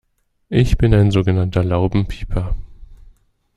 Ich bin ein sogenannter Laubenpieper.